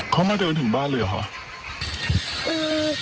เขามาเดินถึงบ้านเลยเหรอ